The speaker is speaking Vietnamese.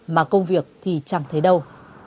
mà công việc thì chẳng thấy đâu